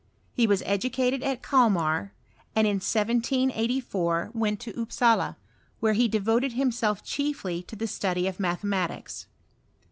He was educated at Calmar ; and in 1784 went to Upsala, where he de voted himself chiefly to the study of mathematics.